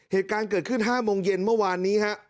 เหตุการณ์เกิดขึ้น๕โมงเย็นเมื่อวานนี้ฮะ